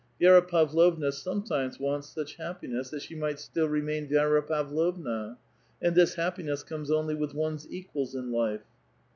Vi^ra Pavlovna sometimes wauts such happiness that she might still remain Vi^ra Pavlovua ; and this happiness comes ouly with one's equals in life."